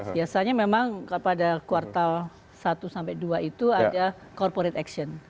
biasanya memang pada kuartal satu sampai dua itu ada corporate action